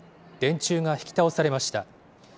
電柱が引き倒されました。